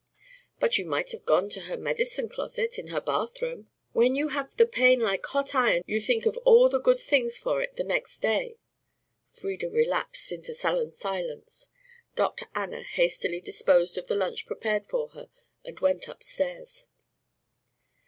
"But you might have gone to her medicine closet in her bathroom." "When you have the pain like hot iron you think of all the good things for it the next day." Frieda relapsed into sullen silence; Dr. Anna hastily disposed of the lunch prepared for her and went upstairs.